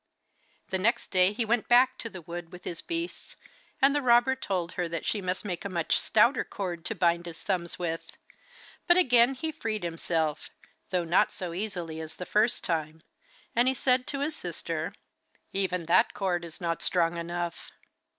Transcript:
The next day he went back to the wood with his beasts, and the robber told her that she must take a much stouter cord to bind his thumbs with. But again he freed himself, though not so easily as the first time, and he said to his sister: 'Even that cord is not strong enough.